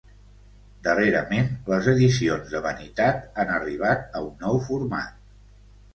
Darrerament, les edicions de vanitat han arribat a un nou format.